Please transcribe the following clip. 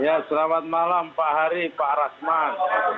ya selamat malam pak hari pak rasman